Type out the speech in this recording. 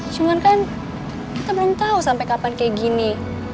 cuman kan kita belum tahu sampai kapan kayak gini